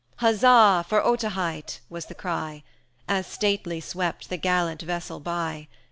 "Huzza! for Otaheite!" was the cry, As stately swept the gallant vessel by.